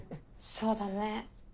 そうだね。